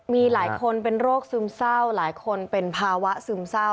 มีหลายคนเป็นโรคซึมเศร้าหลายคนเป็นภาวะซึมเศร้า